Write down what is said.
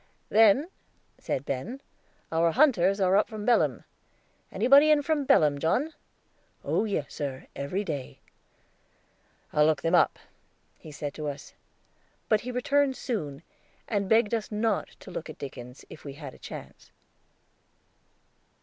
"Then," said Ben, "our hunters are up from Belem. Anybody in from Belem, John?" "Oh yes, sir, every day." "I'll look them up," he said to us; but he returned soon, and begged us not to look at Dickens, if we had a chance.